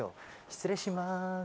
失礼します。